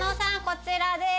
こちらです！